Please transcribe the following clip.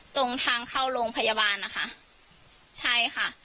ตรงทางเข้าโรงพยาบาลนะคะใช่ค่ะ